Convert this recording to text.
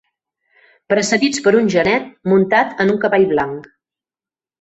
Precedits per un genet muntat en un cavall blanc.